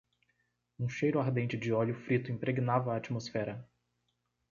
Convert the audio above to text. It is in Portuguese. Um cheiro ardente de óleo frito impregnava a atmosfera.